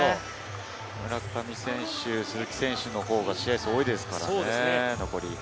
村上選手、鈴木選手のほうが試合数が多いですからね、残り。